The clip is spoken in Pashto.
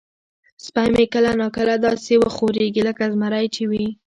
سپی مې کله نا کله داسې وخوریږي لکه زمری چې وي.